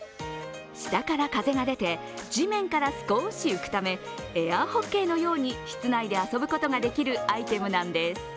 下から風が出て、地面から少し浮くためエアホッケーのように室内で遊ぶことができるアイテムなんです。